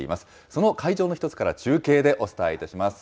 その会場の一つから中継でお伝えいたします。